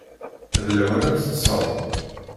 D lawan ad teṭṭseḍ.